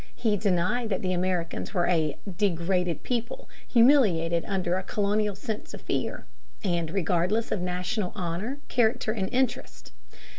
He denied that the Americans were a "degraded people, humiliated under a colonial sense of fear ... and regardless of national honor, character, and interest."